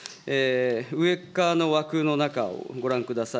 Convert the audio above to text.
上っ側の枠の中をご覧ください。